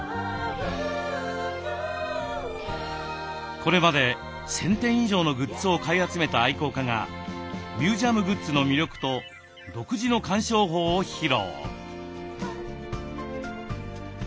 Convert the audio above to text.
これまで１，０００点以上のグッズを買い集めた愛好家がミュージアムグッズの魅力と独自の鑑賞法を披露。